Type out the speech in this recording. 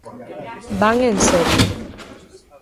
Van en serio.